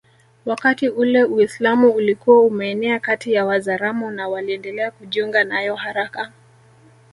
wakati ule Uislamu ulikuwa umeenea kati ya Wazaramo na waliendelea kujiunga nayo haraka